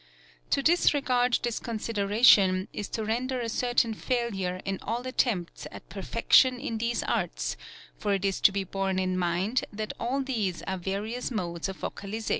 To disregard this consideration is to render a certain failure in all attempts at perfection in theso arts, for it is to be borne in mind that all these are various modes of vocalization.